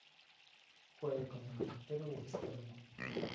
Juega como delantero o extremo.